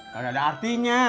gak ada artinya